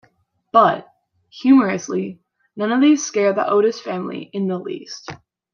But, humorously, none of these scare the Otis family in the least.